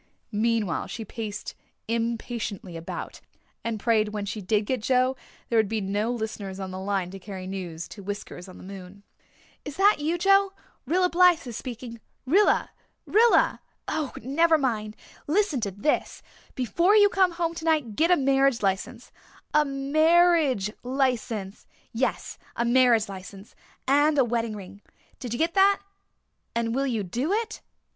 Meanwhile, she paced impatiently about, and prayed that when she did get Joe there would be no listeners on the line to carry news to Whiskers on the moon. "Is that you, Joe? Rilla Blythe is speaking Rilla Rilla oh, never mind. Listen to this. Before you come home tonight get a marriage license a marriage license yes, a marriage license and a wedding ring. Did you get that? And will you do it?